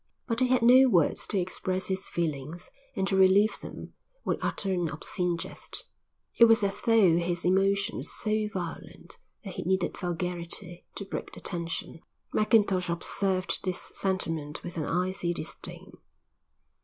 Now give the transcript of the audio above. But he had no words to express his feelings and to relieve them would utter an obscene jest; it was as though his emotion was so violent that he needed vulgarity to break the tension. Mackintosh observed this sentiment with an icy disdain.